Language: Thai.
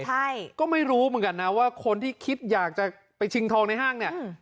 ใช่ก็ไม่รู้เหมือนกันนะว่าคนที่คิดอยากจะไปชิงทองในห้างเนี่ย